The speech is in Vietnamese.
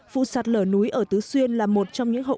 phụ sạt lở núi ở tứ xuyên là một trong những nơi